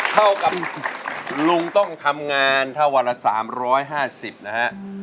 เท่ากับลุงต้องทำงานถ้าวันละ๓๕๐นะฮะ